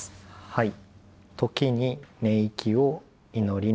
はい。